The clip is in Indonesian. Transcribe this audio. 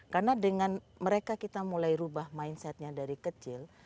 karena dengan mereka kita mulai rubah mindsetnya dari kecil